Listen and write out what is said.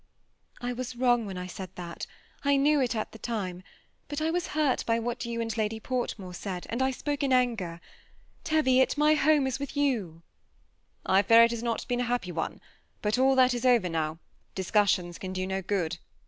I was wrong whoi I said that, — I knew it at tlie time ; bat~I was hurt b7 what jou and JjaAj Portmore said, and I spoke in anger. Teyiot, nrjr home is with 700." ^ I fear it has not been a happ7 one, bat all that is over now ; discussions can do no good.